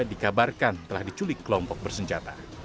dikabarkan telah diculik kelompok bersenjata